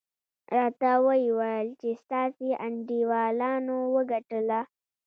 راته ویې ویل چې ستاسې انډیوالانو وګټله.